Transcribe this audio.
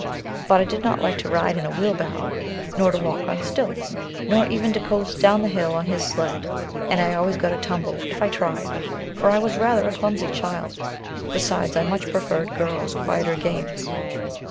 But I did not like to ride in a wheelbarrow, nor to walk on stilts, nor even to coast down the hill on his sled and I always got a tumble, if I tried, for I was rather a clumsy child; besides, I much preferred girls' quieter games.